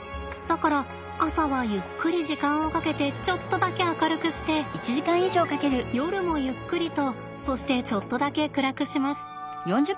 だから朝はゆっくり時間をかけてちょっとだけ明るくして夜もゆっくりとそしてちょっとだけ暗くします。